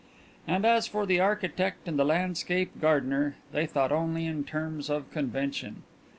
And as for the architect and the landscape gardener, they thought only in terms of convention.